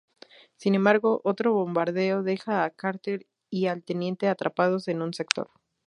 Sin embargo, otro bombardeo deja a Carter y al Teniente atrapados en un sector.